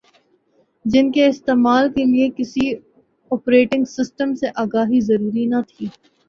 جن کے استعمال کے لئے کسی اوپریٹنگ سسٹم سے آگاہی ضروری نہ تھی